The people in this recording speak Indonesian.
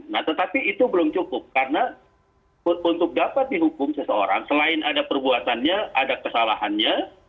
nah tetapi itu belum cukup karena untuk dapat dihukum seseorang selain ada perbuatannya ada kesalahannya